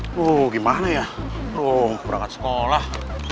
aduh gimana ya aduh perangkat sekolah